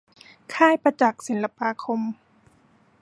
ค่ายประจักษ์ศิลปาคม